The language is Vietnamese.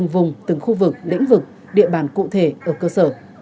vực lĩnh vực địa bàn cụ thể ở cơ sở